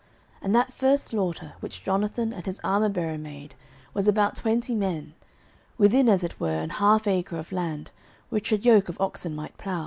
09:014:014 And that first slaughter, which Jonathan and his armourbearer made, was about twenty men, within as it were an half acre of land, which a yoke of oxen might plow.